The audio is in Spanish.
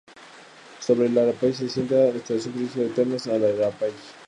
Sobre el Arapey se asienta la instalación turística de termas del Arapey.